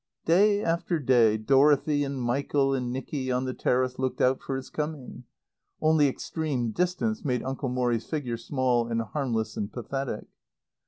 Day after day Dorothy and Michael and Nicky, on the terrace, looked out for his coming. (Only extreme distance made Uncle Morrie's figure small and harmless and pathetic.)